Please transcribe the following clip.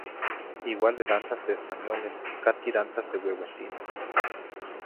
igual de danzas de españoles, catqui danzas de ueuehtineh.